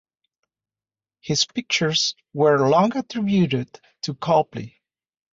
His pictures were long attributed to Copley.